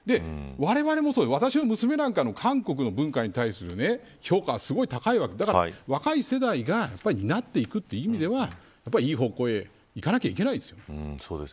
われわれの娘なんかの韓国の文化に対する評価はすごい高いわけでだから若い世代が担っていくという意味ではいい方向へいかないといけないですよ。